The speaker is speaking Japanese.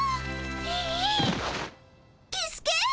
キスケ？